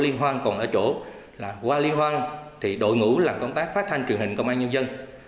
liên hoan còn ở chỗ là qua liên hoan thì đội ngũ làm công tác phát thanh truyền hình công an nhân dân